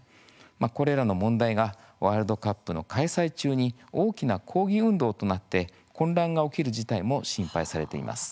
これらの問題がワールドカップの開催中に大きな抗議運動となって混乱が起きる事態も心配されています。